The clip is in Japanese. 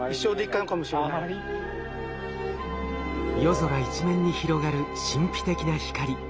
夜空一面に広がる神秘的な光。